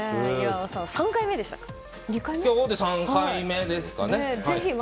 今日で３回目ですかね。